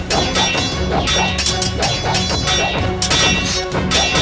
kau partner cuma untuk mereka banyak kalie sebuah rile